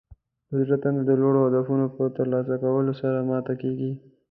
د زړه تنده د لوړو اهدافو په ترلاسه کولو سره ماته کیږي.